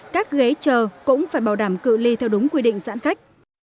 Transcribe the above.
các ghế chờ cũng phải bảo đảm cự li theo đúng quy định sản khách